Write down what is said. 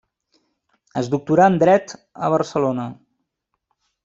Es doctorà en Dret a Barcelona.